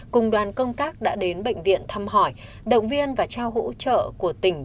cùng đoàn công tác đã đến bệnh viện thăm hỏi động viên và trao hỗ trợ của tỉnh